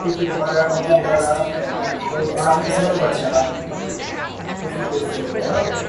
They are still only at the sub stage.